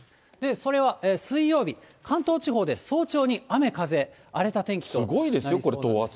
それは水曜日、関東地方で早朝に雨風、荒れた天気となりそうです。